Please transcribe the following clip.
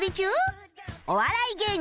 お笑い芸人